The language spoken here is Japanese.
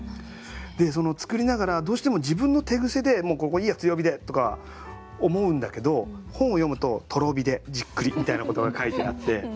作りながらどうしても自分の手癖で「もうここいいや強火で」とか思うんだけど本を読むと「とろ火でじっくり」みたいなことが書いてあって。